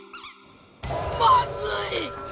まずい！